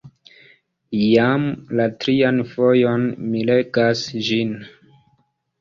Jam la trian fojon mi legas ĝin.